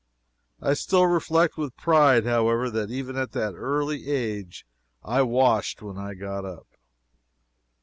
I still reflect with pride, however, that even at that early age I washed when I got up.